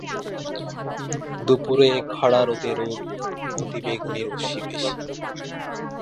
দুপুরের খাড়া রোদে অতিবেগুনি রশ্মি বেশি।